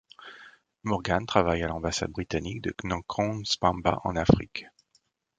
Morgan travaille à l'ambassade britannique de Nkongsbamba en Afrique.